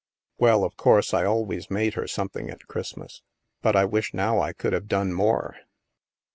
" Well, of course, I always made her something at Christmas. But I wish now I could have done more."